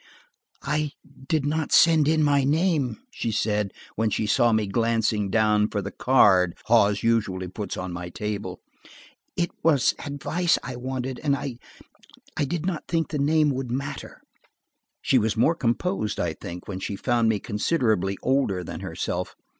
"I did not send in my name," she said, when she saw me glancing down for the card Hawes usually puts on my table. "It was advice I wanted, and I–I did not think the name would matter." She was more composed, I think, when she found me considerably older than herself.